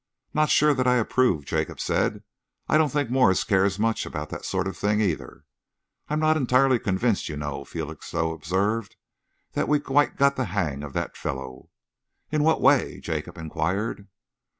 "Not sure that I approve," Jacob said. "I don't think Morse cares much about that sort of thing, either." "I'm not entirely convinced, you know," Felixstowe observed, "that we've quite got the hang of that fellow." "In what way?" Jacob enquired.